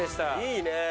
いいね。